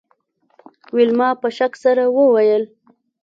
ویلما په شک سره وویل